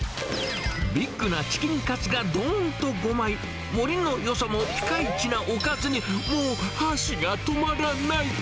ビッグなチキンカツがどーんと５枚、盛りのよさもぴかいちなおかずに、もう、箸が止まらない。